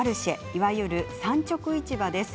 いわゆる産直市場です。